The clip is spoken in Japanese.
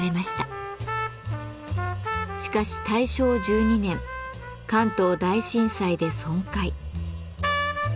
しかし大正１２年関東大震災で損壊。